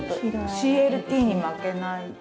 ＣＬＴに負けないもので。